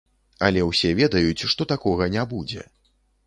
Але ўсе ведаюць, што такога не будзе.